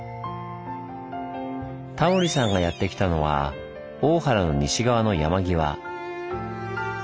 タモリさんがやって来たのは大原の西側の山際。